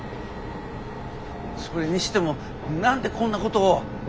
それにしても何でこんなことを。